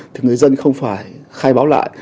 thì người dân không phải khai báo lại